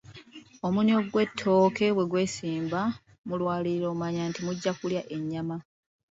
Omunwe gw'ettooke bwe gwesimba mu lwaliiro omanya nti mujja kulya ennyama.